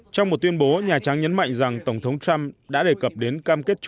trong một tuyên bố nhà trắng nhấn mạnh rằng tổng thống trump đã đề cập đến cam kết chung